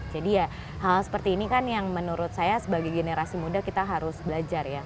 jadi ya hal seperti ini kan yang menurut saya sebagai generasi muda kita harus belajar ya